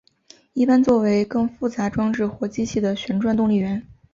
一般作为更复杂装置或机器的旋转动力源。